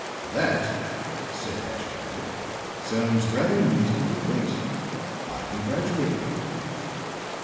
"That," said Ashton Kirk, "sounds rather neat and complete. I congratulate you."